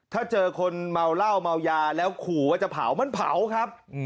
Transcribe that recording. ถ้าเจอคนเมาเหล้าเมายาแล้วขู่ว่าจะเผามันเผาครับ